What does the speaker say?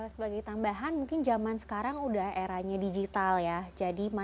sebagai tambahan mungkin zaman sekarang udah eranya digital ya